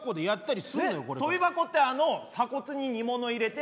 とび箱ってあの鎖骨に煮物入れて前転する。